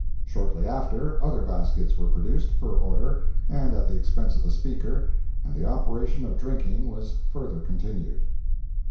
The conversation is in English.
Shortly after, other baskets were produced, per order, and at the expense of the Speaker, and the operation of drinking was further continued.